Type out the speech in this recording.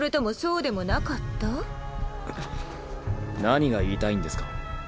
何が言いたいんですか？